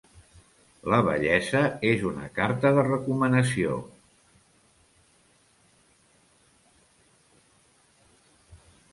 La bellesa és una carta de recomanació.